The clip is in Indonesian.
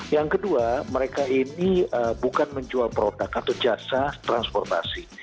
yang kedua mereka ini bukan menjual produk atau jasa transportasi